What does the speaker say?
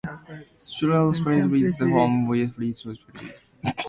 "Scylla" served with the Home Fleet on Arctic convoy duties.